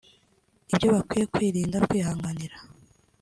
ibyo bakwiye kwirinda no kwihanganira